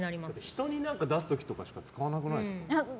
人に出す時とかしか使わなくないですか？